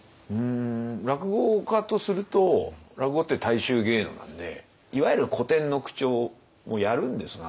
落語家とすると落語って大衆芸能なんでいわゆる古典の口調をやるんですが。